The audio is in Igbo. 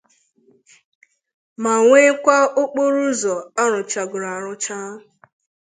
ma nwekwa okporoụzọ a rụchagoro arụcha.